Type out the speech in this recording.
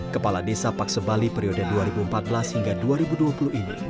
kepala desa paksebali periode dua ribu empat belas hingga dua ribu dua puluh ini